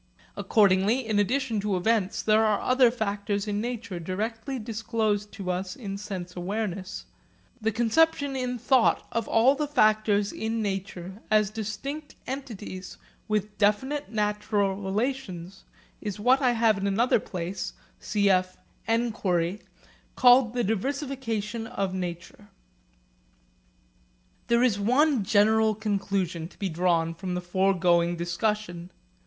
Accordingly in addition to events, there are other factors in nature directly disclosed to us in sense awareness. The conception in thought of all the factors in nature as distinct entities with definite natural relations is what I have in another place called the 'diversification of nature.' Cf. Enquiry. There is one general conclusion to be drawn from the foregoing discussion.